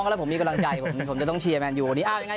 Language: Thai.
แล้วผมมีกำลังใจผมจะต้องเชียร์แมนยูวันนี้